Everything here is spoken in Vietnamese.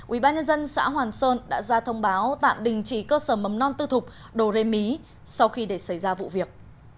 ủy ban nhân dân xã hoàn sơn đã ra thông báo tạm đình chỉ cơ sở mầm non tư thục đồ rê mí sau khi để xảy ra vụ việc